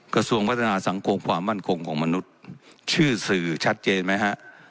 กระทรวงพัฒนาสังคมความมั่นคงของมนุษย์ชื่อสื่อชัดเจนไหมฮะ